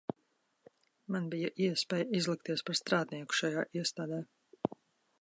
Man bija iespēja izlikties par strādnieku šajā iestādē.